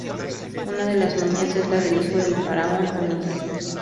Una de las momias es la del hijo del faraón Unis.